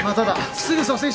すぐ蘇生しよう。